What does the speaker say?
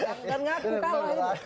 enggak ngaku kalau ini